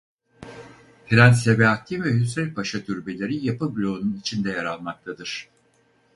Prens Sebahattin ve Hüsrev Paşa türbeleri yapı bloğunun içinde yer almaktadır.